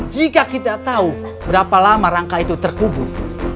jika kita tahu berapa lama rangka itu terkubur